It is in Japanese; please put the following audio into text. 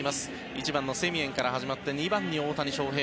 １番のセミエンから始まって２番に大谷翔平。